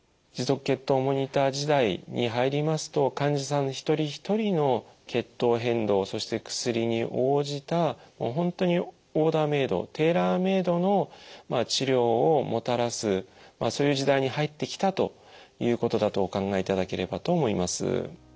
持続血糖モニター時代に入りますと患者さん一人一人の血糖変動そして薬に応じたもう本当にオーダーメードテーラーメードの治療をもたらすそういう時代に入ってきたということだとお考えいただければと思います。